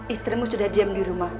istrimu sudah diam di rumah